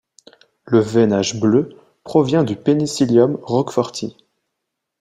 Le veinage bleu provient du Penicillium roqueforti.